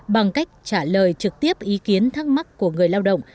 bằng cách trả lời trực tiếp ý kiến thắc mắc của người lao động